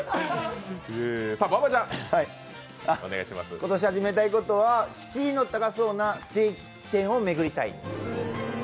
今年始めたいことは敷居の高そうなステーキ店巡りをしたい。